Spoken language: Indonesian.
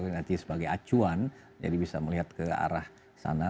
nanti sebagai acuan jadi bisa melihat ke arah sana